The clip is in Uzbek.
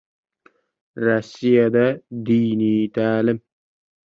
Rossiyada diniy ta’lim